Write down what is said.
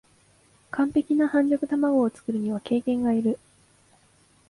完璧な半熟たまごを作るには経験がいる